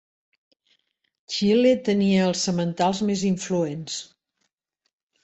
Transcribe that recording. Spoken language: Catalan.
Xile tenia els sementals més influents.